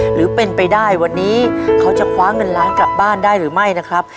หรือเป็นไปได้วันนี้เขาจะคว้าเงินล้านกลับบ้านได้หรือไม่นะครับ